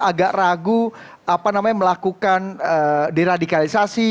agak ragu melakukan diradikalisasi